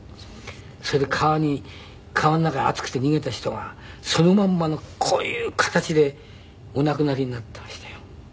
それで川の中へ熱くて逃げた人がそのまんまのこういう形でお亡くなりになっていましたよ。